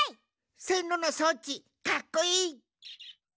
せんろのそうちかっこいい！